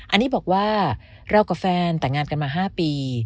อันนี้บอกว่าเรากับแฟนแต่งงานกันมา๕ปี